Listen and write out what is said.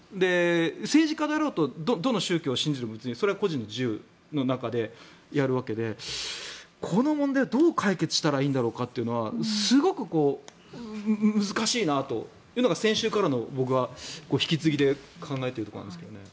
政治家であろうとどの宗教を信じてもそれは個人の自由の中でやるわけでこの問題をどう解決したらいいんだろうかというのはすごく難しいなというのが先週からの、僕は引き継ぎで考えているところなんですけどね。